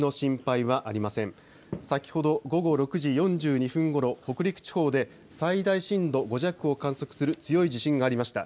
先ほど午後６時４２分ごろ北陸地方で最大震度５弱を観測する強い地震がありました。